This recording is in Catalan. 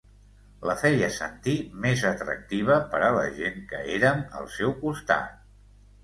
La feia sentir més atractiva per a la gent que érem al seu costat.